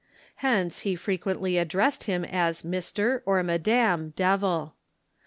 Hence he frequently addressed him as Mr., or Madam, Devil.